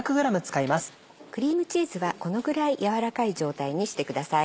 クリームチーズはこのぐらい軟らかい状態にしてください。